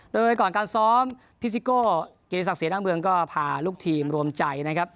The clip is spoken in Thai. โดยก่อนการซ้อมพี่ซิโก้เกียรติศักดิเสดังเมืองก็พาลูกทีมรวมใจนะครับ